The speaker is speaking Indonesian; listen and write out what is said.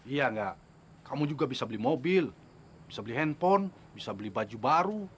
iya enggak kamu juga bisa beli mobil bisa beli handphone bisa beli baju baru